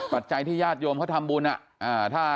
ปัจจัยที่ญาติโยมเขาทำบุญ